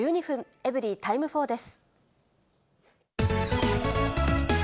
エブリィタイム４です。